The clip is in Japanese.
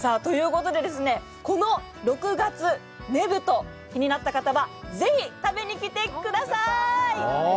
６月ねぶと、気になった方はぜひ食べにきてください！